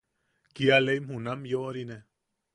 Kia lei junam yoʼorine.